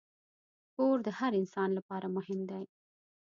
کور د هر انسان لپاره مهم دی.